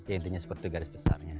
intinya seperti garis besarnya